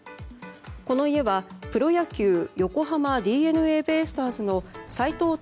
この家はプロ野球横浜ＤｅＮＡベイスターズの斎藤隆